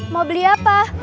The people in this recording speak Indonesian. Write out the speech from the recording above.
mau beli apa